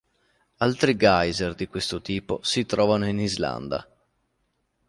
Altri geyser di questo tipo si trovano in Islanda.